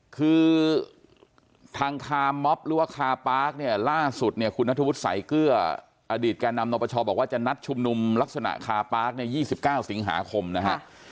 คือทางคามอบหรือว่าคาปาร์คเนี่ยล่าสุดเนี่ยคุณนัทวุฒิสายเกลืออดีตแก่นำนปชบอกว่าจะนัดชุมนุมลักษณะคาปาร์คใน๒๙สิงหาคมนะฮะ